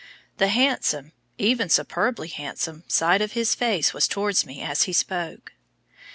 The handsome, even superbly handsome, side of his face was towards me as he spoke.